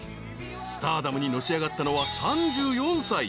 ［スターダムにのし上がったのは３４歳］